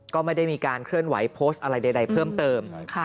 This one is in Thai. ก็ไม่ได้มีการเคลื่อนไหวโพสต์อะไรใดเพิ่มเติม